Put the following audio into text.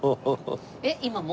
えっ今も？